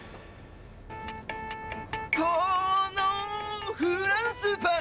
このフランスパン